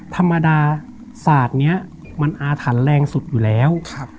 ธรรมดาศาสตร์นี้มันอาถรรพ์แรงสุดอยู่แล้ว